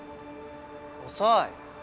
遅い！